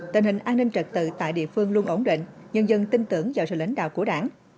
tình hình an ninh trật tự tại địa phương luôn ổn định nhân dân tin tưởng vào sự lãnh đạo của đảng